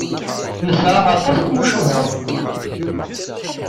Nesɛa aṭas n tmucuha.